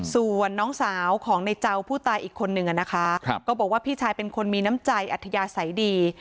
ส่วนน้องสาวของในเจ้าผู้ตายอีกคนนึงนะคะก็บอกว่าพี่ชายเป็นคนมีน้ำใจอัธยาศัยดี